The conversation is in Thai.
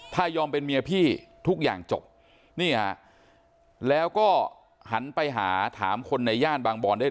ถ้ายอมเป็นเมียพี่ทุกอย่างจบนี่ฮะแล้วก็หันไปหาถามคนในย่านบางบอนได้